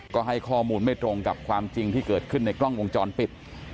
ก็ให้ข้อมูลไม่ตรงกับความจริงที่เกิดขึ้นในกล้องวงจรปิด